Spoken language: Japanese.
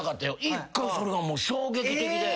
一回それが衝撃的で。